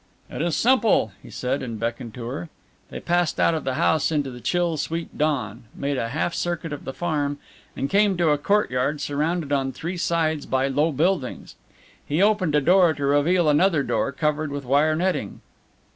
"It is simple," he said, and beckoned to her. They passed out of the house into the chill sweet dawn, made a half circuit of the farm and came to a courtyard surrounded on three sides by low buildings. He opened a door to reveal another door covered with wire netting.